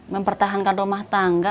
mempertahankan doma tangga